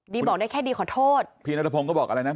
บอกได้แค่ดีขอโทษพี่นัทพงศ์ก็บอกอะไรนะ